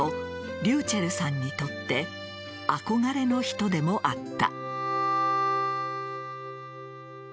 ｒｙｕｃｈｅｌｌさんにとって憧れの人でもあった。